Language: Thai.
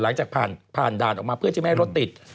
หลังจากผ่านด่านออกมาเพื่อจะไม่ให้รถติด